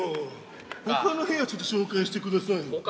他のお部屋、紹介してください。